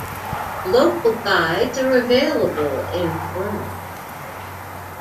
Local guides are available informally.